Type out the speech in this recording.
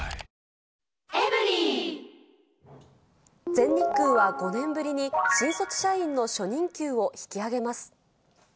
全日空は５年ぶりに新卒社員の初任給を引き上げます。